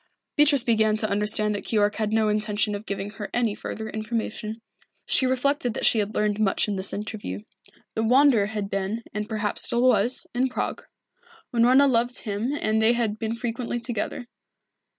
Beatrice began to understand that Keyork had no intention of giving her any further information. She reflected that she had learned much in this interview. The Wanderer had been, and perhaps still was, in Prague. Unorna loved him and they had been frequently together.